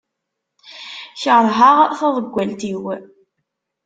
Kerheɣ taḍeggalt-iw.